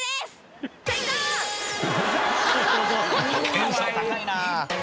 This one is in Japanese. テンション高いな！